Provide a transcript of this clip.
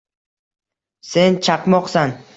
Sen chaqmoqsan